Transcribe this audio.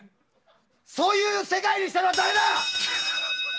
そういう世界にしたのは誰だ！